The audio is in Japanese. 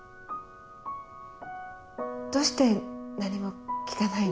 どうして何も聞かないの？